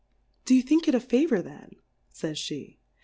Do you think it a Favour then, fays' Jhe?